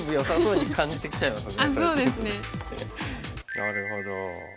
なるほど。